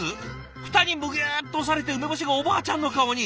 フタにむぎゅっと押されて梅干しがおばあちゃんの顔に。